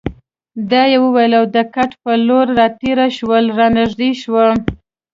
دا یې وویل او د کټ په لور راتېره شول، را نږدې شوه.